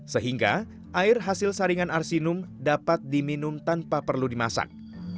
sehingga air hasil saringan arsinum dapat diminum tanpa perlu dimasak